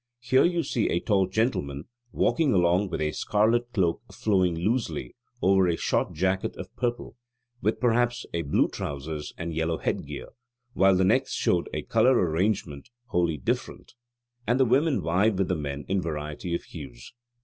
Here you see a tall gentleman walking along with a scarlet cloak flowing loosely over a short jacket of purple, with perhaps a blue trousers and yellow headgear, while the next showed a colour arrangement wholly different; and the women vied with the men in variety of hues.